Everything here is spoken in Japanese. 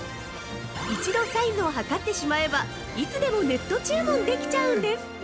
一度サイズを測ってしまえば、いつでもネット注文できちゃうんです。